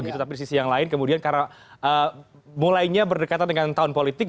tapi di sisi yang lain kemudian karena mulainya berdekatan dengan tahun politik